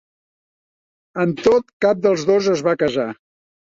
Amb tot, cap dels dos es va casar.